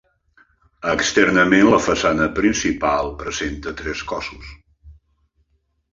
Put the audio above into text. Externament la façana principal presenta tres cossos.